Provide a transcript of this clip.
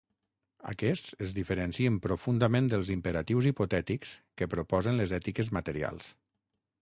Aquests es diferencien profundament dels imperatius hipotètics que proposen les ètiques materials.